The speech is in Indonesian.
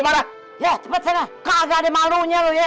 malam ya coba kagak ada malunya